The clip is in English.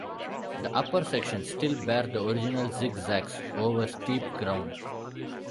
The upper sections still bear the original zig-zags over steep ground.